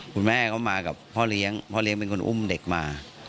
คุณแม่เขามากับพ่อเลี้ยงพ่อเลี้ยงเป็นคนอุ้มเด็กมา